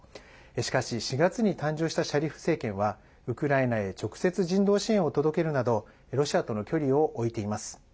しかし、４月に誕生したシャリフ政権はウクライナへ直接人道支援を届けるなどロシアとの距離を置いています。